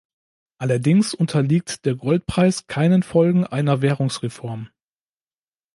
Allerdings unterliegt der Goldpreis keinen Folgen einer Währungsreform.